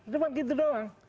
cuman gitu doang